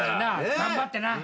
頑張ってな。